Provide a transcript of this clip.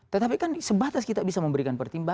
tetapi kan sebatas kita bisa memberikan pertimbangan